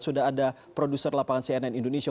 sudah ada produser lapangan cnn indonesia